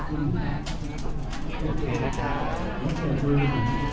โอเคนะคะ